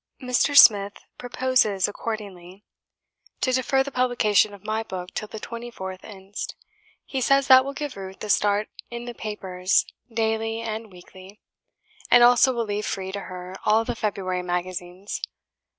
Mr. Smith proposes, accordingly, to defer the publication of my book till the 24th inst.; he says that will give 'Ruth' the start in the papers daily and weekly, and also will leave free to her all the February magazines.